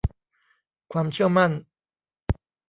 ความเชื่อมั่น